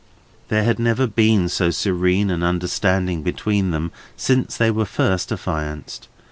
There had never been so serene an understanding between them since they were first affianced.